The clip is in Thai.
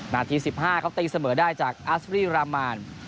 นาที๑๕เขาตีเสมอได้จากอัสรีรามาน